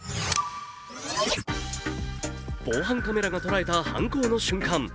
防犯カメラが捉えた犯行の瞬間。